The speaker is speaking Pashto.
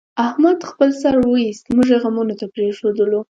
احمد خپل سر وایست، موږ یې غمونو ته پرېښودلو.